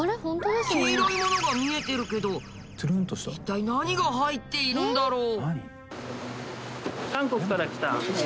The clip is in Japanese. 黄色いものが見えてるけど一体何が入っているんだろう？